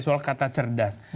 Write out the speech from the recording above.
soal kata cerdas